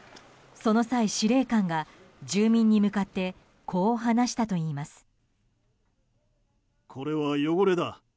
その際、司令官が住民に向かってこう話したといいます。